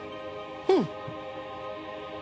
うん。